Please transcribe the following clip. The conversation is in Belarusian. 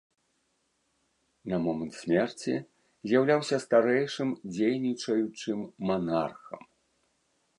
На момант смерці з'яўляўся старэйшым дзейнічаючым манархам.